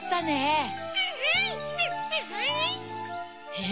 え？